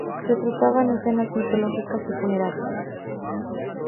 Retrataban escenas mitológicas y funerarias.